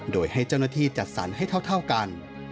โดยให้เจ้าหน้าที่จัดสรรให้เท่ากัน